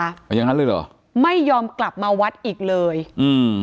อย่างนั้นเลยเหรอไม่ยอมกลับมาวัดอีกเลยอืม